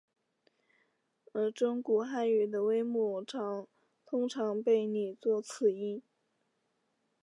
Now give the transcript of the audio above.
而中古汉语的微母通常被拟作此音。